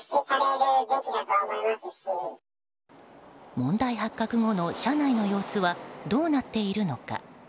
問題発覚後の社内の様子はどうなっているのか。